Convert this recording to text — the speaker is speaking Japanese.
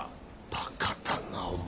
バカだなお前。